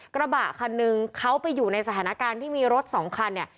กระบะคันนึงเขาไปอยู่ในสถานการณ์ที่มีรถสองคันเนี่ย